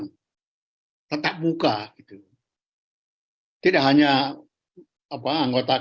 tetap buka tidak hanya apa anggota kpu tapi juga anggota kpu yang berpengalaman dengan kebenaran